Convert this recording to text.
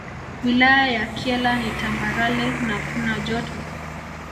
Wilaya ya Kyela ni Tambarale na kuna Joto